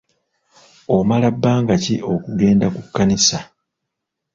Omala bbanga ki okugenda ku kkanisa?